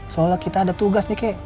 soalnya kita ada tugas nih kek